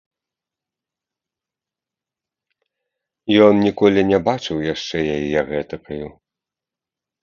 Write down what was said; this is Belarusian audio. Ён ніколі не бачыў яшчэ яе гэтакаю.